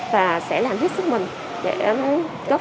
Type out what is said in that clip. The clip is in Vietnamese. và sẽ làm hết sức mình để có phần chiến thắng dịch bệnh